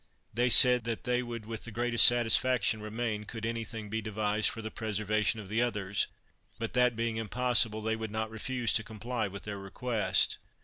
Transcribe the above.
They said that they would with the greatest satisfaction remain, could any thing be devised for the preservation of the others; but that being impossible, they would not refuse to comply with their request.